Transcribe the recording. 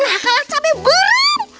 nah kalah cabai bareng